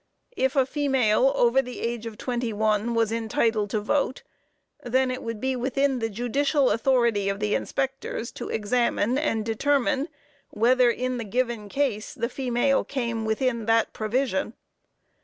If a female over the age of 21 was entitled to vote, then it would be within the judicial authority of the inspectors to examine and determine whether in the given case the female came within that provision.